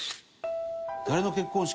誰の結婚式？